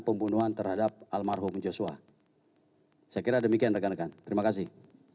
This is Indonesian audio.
pembunuhan terhadap almarhum joshua saya kira demikian rekan rekan terima kasih